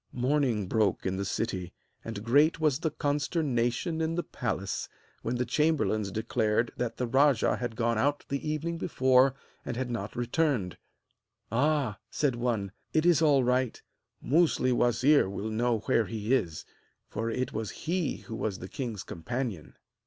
Morning broke in the city, and great was the consternation in the palace when the chamberlains declared that the rajah had gone out the evening before and had not returned. 'Ah!' said one, 'it is all right! Musli wazir will know where he is, for it was he who was the king's companion.'